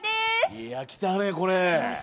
いや、きたね、これ。